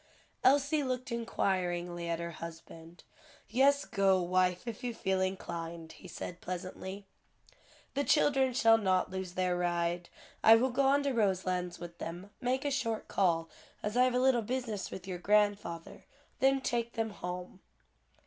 Elsie looked inquiringly at her husband. "Yes, go, wife, if you feel inclined," he said pleasantly. "The children shall not lose their ride. I will go on to Roselands with them, make a short call, as I have a little business with your grandfather, then take them home."